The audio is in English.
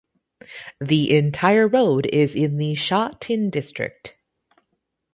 The entire road is in Sha Tin District.